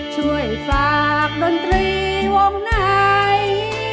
ช่วยฝากดนตรีวงไหน